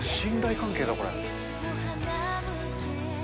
信頼関係だ、これ。